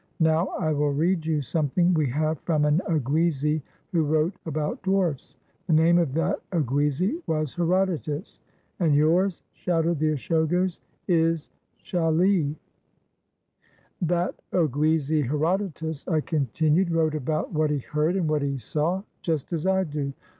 Now I will read you something we have from an Oguizi who wrote about Dwarfs. The name of that Oguizi was Herodotus." "And yours," shouted the Ishogos, "is Chally!" "That Oguizi, Herodotus," I continued, "wrote about what he heard and what he saw, just as I do.